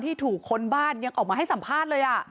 ที่ถูกค้นบ้านยังออกมาให้สัมภาษณ์เลย